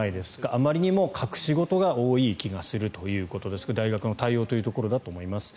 あまりにも隠し事が多い気がするということですが大学の対応というところだと思います。